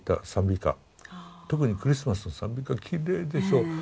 特にクリスマスの賛美歌きれいでしょ。